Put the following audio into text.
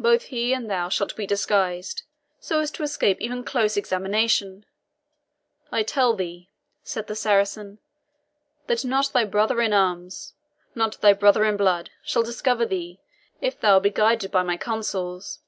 "Both he and thou shalt be disguised, so as to escape even close examination. I tell thee," said the Saracen, "that not thy brother in arms not thy brother in blood shall discover thee, if thou be guided by my counsels.